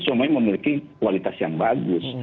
semuanya memiliki kualitas yang bagus